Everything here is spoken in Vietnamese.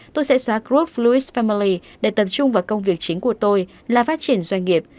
tôi sẽ xóa group flouds famaly để tập trung vào công việc chính của tôi là phát triển doanh nghiệp